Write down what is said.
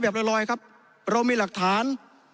แบบเหล่ียดครับเรามีหลักฐาน